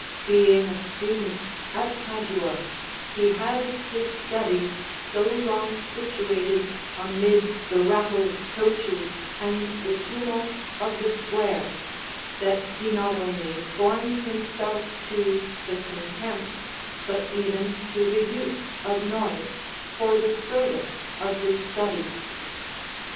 Being a student at Padua, he had his study so long situated amid the rattle of coaches and the tumult of the square, that he not only formed himself to the contempt, but even to the use of noise, for the service of his studies.